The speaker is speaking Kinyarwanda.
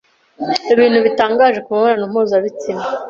Ibintu bitangaje ku mibonano mpuzabitsina